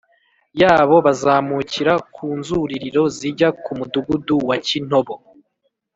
yabo bazamukira ku nzuririro zijya ku mudugudu wa kintobo